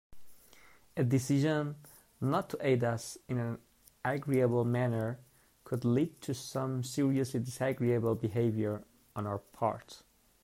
A decision not to aid us in an agreeable manner could lead to some seriously disagreeable behaviour on our part.